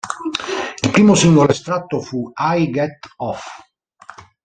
Il primo singolo estratto fu "I Get Off".